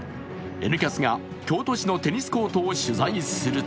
「Ｎキャス」が京都市のテニスコートを取材すると